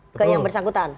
ke yang bersangkutan